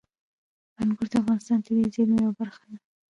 انګور د افغانستان د طبیعي زیرمو یوه برخه ده.